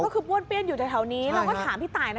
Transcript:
ก็คือป้วนเปี้ยนอยู่แถวนี้เราก็ถามพี่ตายนะ